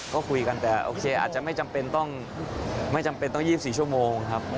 ก็คุยกันแต่อาจจะไม่จำเป็นต้อง๒๔ชั่วโมงครับ